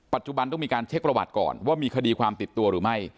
ปัจจุบันต้องมีการเช็คประวัติก่อนว่ามีคดีความติดตัวหรือไม่